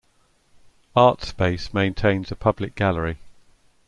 Artspace maintains a public gallery.